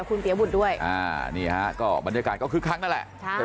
คุณเตี๋ยวบุญด้วยอ่านี่ฮะก็บรรยากาศก็คือครั้งนั่นแหละใช่ไหม